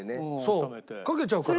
かけちゃうから。